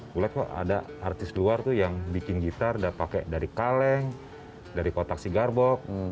gue lihat kok ada artis luar tuh yang bikin gitar dan pakai dari kaleng dari kotak si garbok